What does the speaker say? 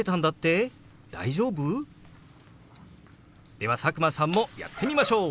では佐久間さんもやってみましょう！